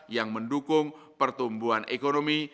yang mendukung pertumbuhan ekonomi